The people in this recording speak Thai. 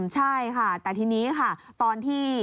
ใช่ค่ะแต่ทีนี้ค่ะตอนที่